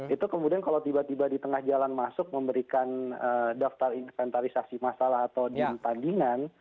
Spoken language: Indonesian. itu kemudian kalau tiba tiba di tengah jalan masuk memberikan daftar inventarisasi masalah atau dim tandingan